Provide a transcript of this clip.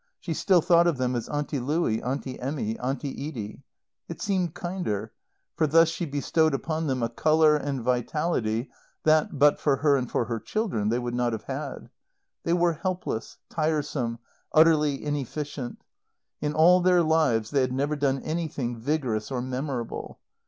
She still thought of them as Auntie Louie, Auntie Emmy, Auntie Edie. It seemed kinder; for thus she bestowed upon them a colour and vitality that, but for her and for her children, they would not have had. They were helpless, tiresome, utterly inefficient. In all their lives they had never done anything vigorous or memorable.